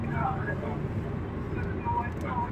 شاعره ویښ یې کنه!.